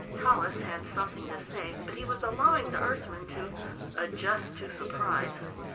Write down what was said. Tallis had something to say, but he was allowing the Earthman to "adjust to surprise."